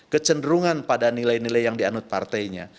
kecenderungan pada nilai nilai yang dianut partainya